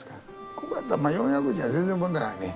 ここやったらまあ４００人は全然問題ないね。